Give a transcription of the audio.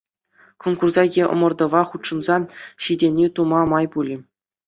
Конкурса е ӑмӑртӑва хутшӑнса ҫитӗнӳ тума май пулӗ.